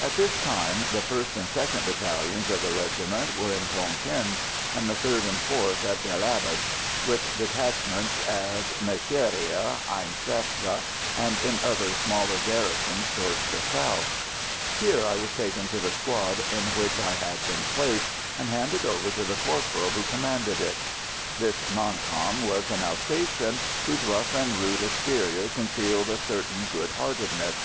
At this time the 1st and 2nd Battalions of the regiment were in Tonquin, and the 3rd and 4th at Bel Abbes, with detachments at Mecheria, Ain Sefra, and in other smaller garrisons towards the south. Here I was taken to the squad in which I had been placed, and handed over to the corporal who commanded it. This "non com" was an Alsatian, whose rough and rude exterior concealed a certain good heartedness.